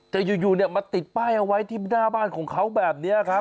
แต่อยู่เนี่ยมาติดป้ายเอาไว้ที่หน้าบ้านของเขาแบบนี้ครับ